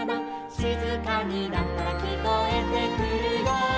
「しずかになったらきこえてくるよ」